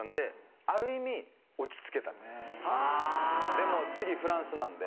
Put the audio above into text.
でも次フランスなんで。